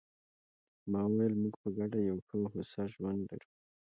ما وویل: موږ په ګډه یو ښه او هوسا ژوند لرو.